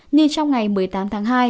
như trong ngày một mươi tám tháng hai